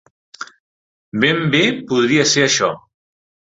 Ben bé podria ser això.